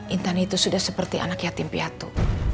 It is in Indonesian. intan itu sudah seperti anak yatim piatu